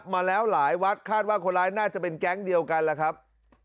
มาแล้วหลายวัดคาดว่าคนร้ายน่าจะเป็นแก๊งเดียวกันล่ะครับ